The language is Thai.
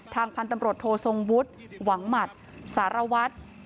ทางพันธมรตโทษงวุฒิหวังหมัดสารวัตร